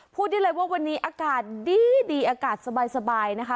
พูดได้เลยว่าวันนี้อากาศดีอากาศสบายนะคะ